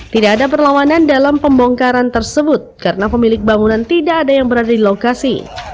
tidak ada perlawanan dalam pembongkaran tersebut karena pemilik bangunan tidak ada yang berada di lokasi